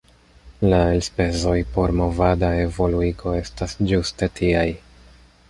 La elspezoj por movada evoluigo estas ĝuste tiaj.